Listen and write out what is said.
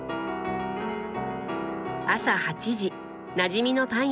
朝８時なじみのパン屋さんへ。